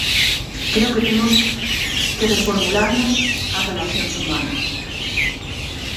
Creo que temos que reformularnos as relacións humanas.